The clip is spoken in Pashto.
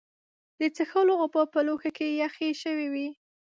د څښلو اوبه په لوښي کې یخې شوې وې.